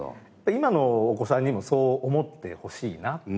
今のお子さんにもそう思ってほしいなっていう。